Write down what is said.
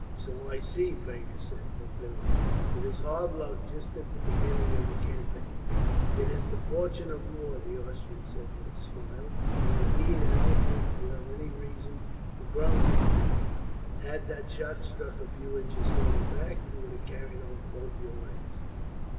"So I see," Fergus said bitterly. "It is hard luck, just at the beginning of the campaign." "It is the fortune of war," the Austrian said with a smile; "and indeed, I don't think that you have any reason to grumble for, had that shot struck a few inches farther back, it would have carried off both your legs."